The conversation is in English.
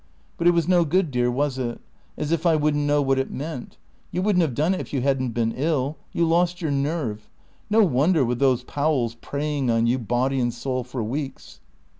"But it was no good, dear, was it? As if I wouldn't know what it meant. You wouldn't have done it if you hadn't been ill. You lost your nerve. No wonder, with those Powells preying on you, body and soul, for weeks."